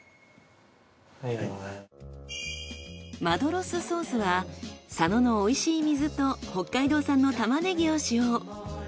マドロスソースは佐野の美味しい水と北海道産のタマネギを使用。